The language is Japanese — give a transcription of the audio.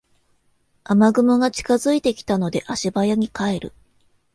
雨雲が近づいてきたので足早に帰る